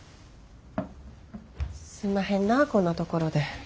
すんまへんなあこんなところで。